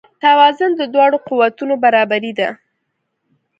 توازن د دواړو قوتونو برابري ده.